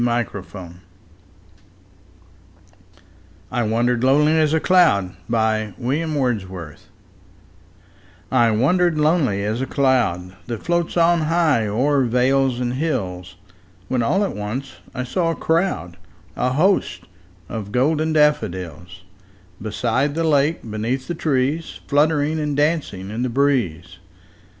William Wordsworth I Wandered Lonely As a Cloud I WANDERED lonely as a cloud That floats on high o'er vales and hills, When all at once I saw a crowd, A host, of golden daffodils; Beside the lake, beneath the trees, Fluttering and dancing in the breeze.